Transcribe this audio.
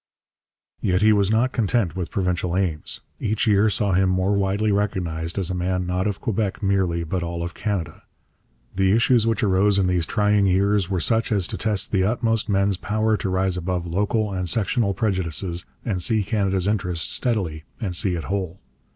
Yet he was not content with provincial aims. Each year saw him more widely recognized as a man not of Quebec merely but of all Canada. The issues which arose in these trying years were such as to test to the utmost men's power to rise above local and sectional prejudices and see Canada's interest steadily and see it whole.